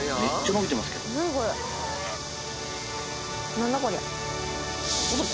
何だこりゃ。